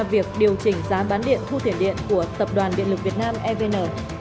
việc điều chỉnh giá bán điện thu tiền điện của tập đoàn điện lực việt nam evn